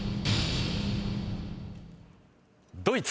ドイツ。